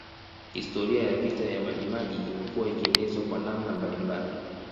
Historia ya vita ya Majimaji imekuwa ikielezwa kwa namna mbalimbali